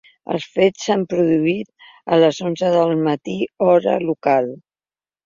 Els fets s’han produït a les onze del matí, hora local.